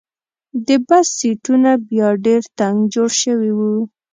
د بس سیټونه بیا ډېر تنګ جوړ شوي وو.